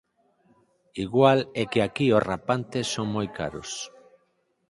Igual é que aquí os rapantes son moi caros